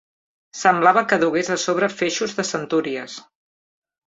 Semblava que dugués a sobre feixos de centúries